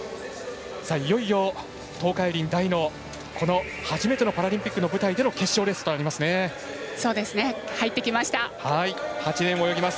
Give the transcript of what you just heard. いよいよ、東海林大のこの初めてのパラリンピックの舞台での決勝レースとなります。